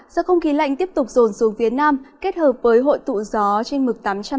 do không khí lạnh tiếp tục rồn xuống phía nam kết hợp với hội tụ gió trên mực tám trăm năm mươi m